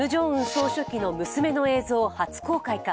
総書記の娘の映像を初公開か。